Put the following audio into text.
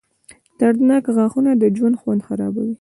• دردناک غاښونه د ژوند خوند خرابوي.